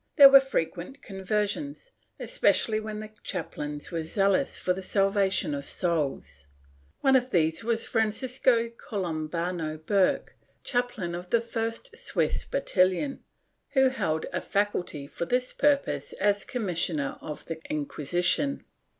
There were frequent conversions, especially when the chaplains were zealous for the salvation of souls. One of these was Francisco Columbano Burke, chaplain of the first Swiss battalion, who held a faculty for this purpose as commissioner of the Inquisition.